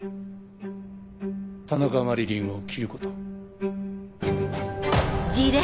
田中麻理鈴を切ること。